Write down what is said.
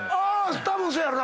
たぶんそうやろな。